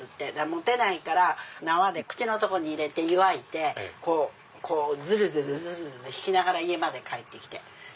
持てないから縄で口のとこに入れて結わいてこうずるずるずるずる引きながら家まで帰ってきて。